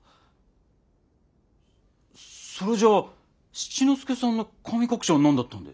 それじゃあ七之助さんの神隠しは何だったんで？